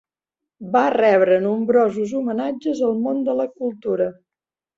Va rebre nombrosos homenatges al món de la cultura.